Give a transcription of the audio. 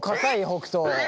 北斗。